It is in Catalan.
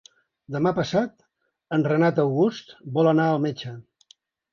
Demà passat en Renat August vol anar al metge.